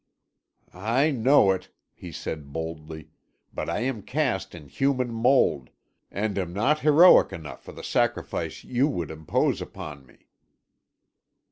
"I know it," he said boldly, "but I am cast in human mould, and am not heroic enough for the sacrifice you would impose upon me."